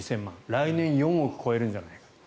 来年４億超えるんじゃないか。